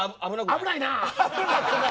危ないな。